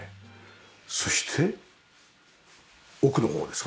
そして奥の方ですか？